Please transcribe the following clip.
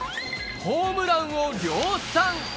ホームランを量産！